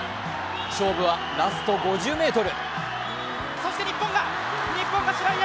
勝負はラスト５０ｍ。